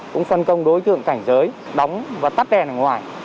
cũng phân công đối tượng cảnh giới đóng và tắt đèn ở ngoài